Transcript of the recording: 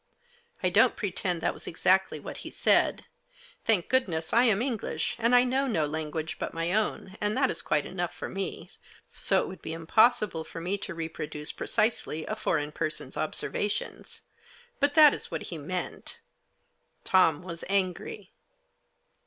I don't pretend that was exactly what he said. Thank goodness, I am English, and I know no lan guage but my own, and that is quite enough for me, so it would be impossible for me to reproduce pre cisely a foreign person's observations ; but that is what he meant. Tom was angry.